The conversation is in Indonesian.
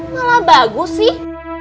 malah bagus sih